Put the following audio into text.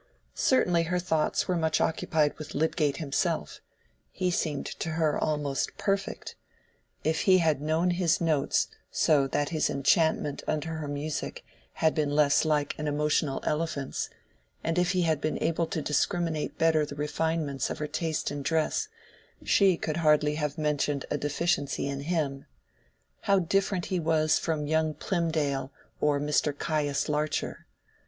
Certainly her thoughts were much occupied with Lydgate himself; he seemed to her almost perfect: if he had known his notes so that his enchantment under her music had been less like an emotional elephant's, and if he had been able to discriminate better the refinements of her taste in dress, she could hardly have mentioned a deficiency in him. How different he was from young Plymdale or Mr. Caius Larcher!